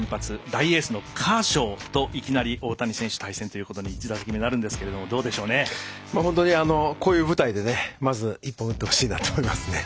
大エースのカーショーといきなり大谷選手対戦ということに１打席目なるんですけども本当に、こういう舞台でまず１本打ってほしいなと思いますね。